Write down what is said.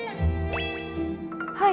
はい。